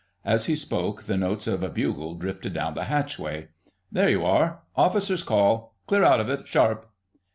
As he spoke the notes of a bugle drifted down the hatchway. "There you are! Officers' Call! Clear out of it, sharp!"